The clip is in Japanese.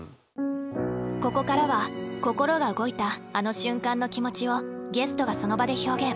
ここからは心が動いたあの瞬間の気持ちをゲストがその場で表現。